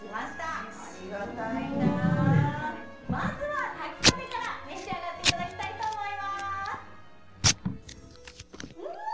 ありがたいなすごいまずは炊きたてから召し上がっていただきたいと思いますうん！